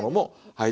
はい。